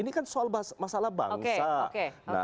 ini kan soal masalah bangsa